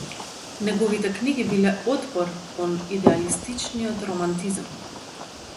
Неговите книги биле отпор кон идеалистичниот романтизам.